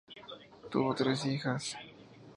Tuvo tres hijas.